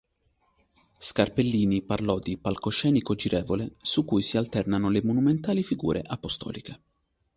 Scarpellini parlò di "palcoscenico girevole" su cui si alternano le monumentali figure apostoliche.